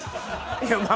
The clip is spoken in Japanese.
いやまあ